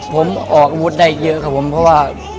ผมออกอาวุธได้เยอะครับผมเพราะว่า